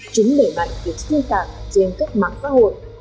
chúng đẩy mạnh việc xuyên tạc trên các mạng xã hội